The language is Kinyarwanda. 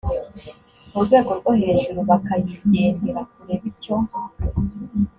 mu rwego rwo hejuru bakayigendera kure bityo